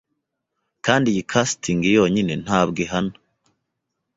Kandi iyi casting yonyine ntabwo ihana